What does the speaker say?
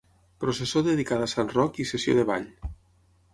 Processó dedicada a Sant Roc i sessió de ball.